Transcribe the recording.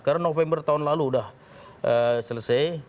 karena november tahun lalu sudah selesai